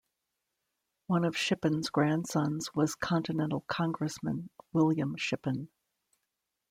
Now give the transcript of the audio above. One of Shippen's grandsons was Continental Congressman William Shippen.